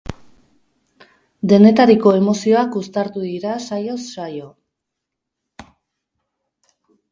Denetariko emozioak uztartu dira saioz saio.